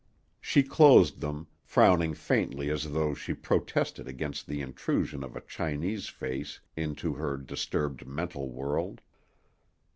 She closed them, frowning faintly as though she protested against the intrusion of a Chinese face into her disturbed mental world.